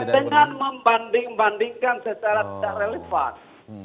dan dengan membandingkan secara tidak relevan